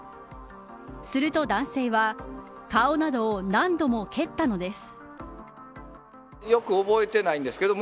すると男性は顔などを何度も蹴ったのです。